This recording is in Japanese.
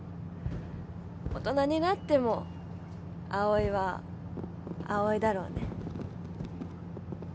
大人になっても葵は葵だろうね。